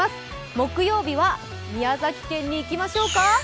木曜日は宮崎県に行きましょうか。